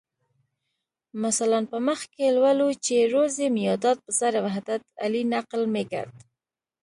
مثلاً په مخ کې لولو چې روزي میاداد پسر وحدت علي نقل میکرد.